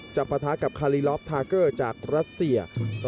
ปะทะกับคารีลอฟทาเกอร์จากรัสเซีย